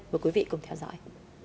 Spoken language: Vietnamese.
mời quý vị cùng theo dõi